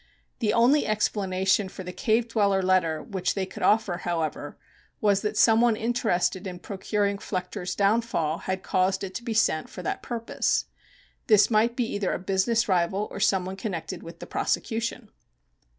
The only explanation for the "Cave Dweller" letter which they could offer, however, was that some one interested in procuring Flechter's downfall had caused it to be sent for that purpose. This might either be a business rival or some one connected with the prosecution.